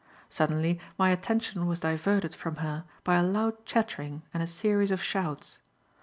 Suddenly my attention was diverted from her by a loud chattering and a series of shouts.